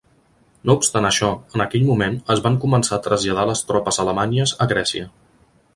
No obstant això, en aquell moment, es van començar a traslladar les tropes alemanyes a Grècia.